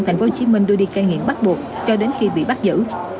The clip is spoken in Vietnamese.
thành phố hồ chí minh đưa đi cây nghiện bắt buộc cho đến khi bị bắt giữ